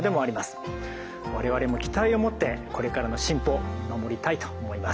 我々も期待を持ってこれからの進歩見守りたいと思います。